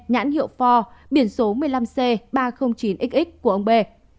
nhãn hiệu pho biển số một mươi năm c ba trăm linh chín xx của ông bê